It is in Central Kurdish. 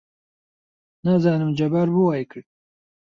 نازانم جەبار بۆ وای کرد.